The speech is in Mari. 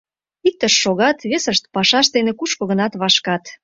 Иктышт шогат, весышт пашашт дене кушко-гынат вашкат.